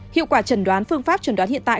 hiệu quả trần đoán phương pháp trần đoán hiện tại